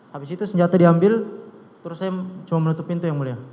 habis itu senjata diambil terus saya coba menutup pintu yang mulia